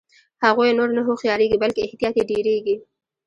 هغوی نور نه هوښیاریږي بلکې احتیاط یې ډیریږي.